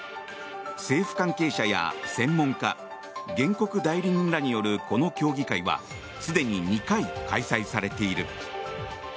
政府関係者は専門家原告代理人らによるこの協議会はすでに２回開催されている。